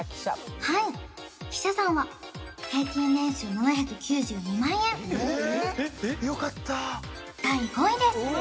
はい記者さんは平均年収７９２万円よかった第５位です